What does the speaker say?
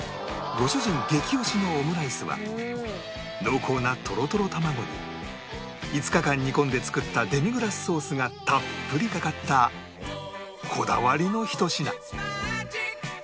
ご主人激押しのオムライスは濃厚なトロトロ卵に５日間煮込んで作ったデミグラスソースがたっぷりかかったこだわりのひと品！